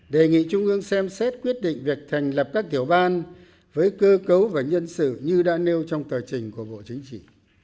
đề nghị trung ương xem xét quyết định việc thành lập các tiểu ban với cơ cấu và nhân sự như đã nêu trong tờ trình của bộ chính trị